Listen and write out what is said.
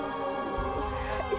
untuk aku dan alia